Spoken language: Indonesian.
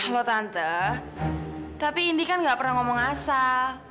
lo tante tapi indi kan nggak pernah ngomong asal